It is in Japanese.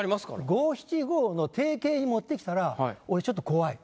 五七五の定型に持ってきたら俺ちょっと怖い。